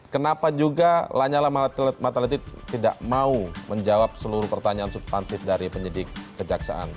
kenapa juga lanyala mataliti tidak mau menjawab seluruh pertanyaan substantif dari penyidik kejaksaan